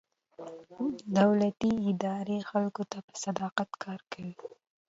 دولتي ادارې خلکو ته په صداقت کار کوي.